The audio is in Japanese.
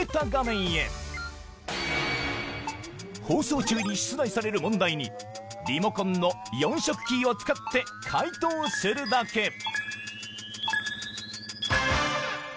放送中に出題される問題にリモコンの４色キーを使って解答するだけ。